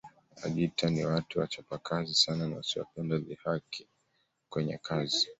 Wajita ni watu wachapakazi sana na wasiopenda dhihaka kwenye kazi